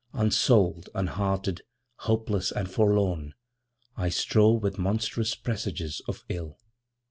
Unsouled, unhearted, hopeless and forlorn, I strove with monstrous presages of ill!